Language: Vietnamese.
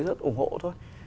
rất ủng hộ thôi